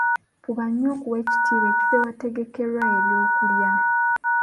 Fuba nnyo okuwa ekitiibwa ekifo ewategekerwa ebyokulya.